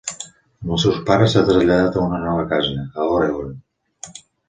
Amb els seus pares, s'ha traslladat a una nova casa, a Oregon.